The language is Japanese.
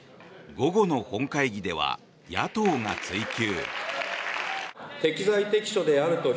午後の本会議では野党も追及。